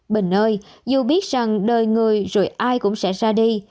bình ơi dù biết rằng đời người rồi ai cũng sẽ ra đi